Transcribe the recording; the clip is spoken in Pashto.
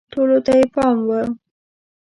ټولو ته یې پام و